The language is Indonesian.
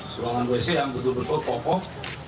ruangan wc yang betul betul pokok